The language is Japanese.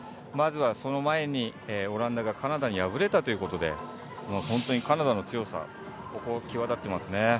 まずはその前に、オランダがカナダに敗れたということでカナダの強さ、際立っていますね。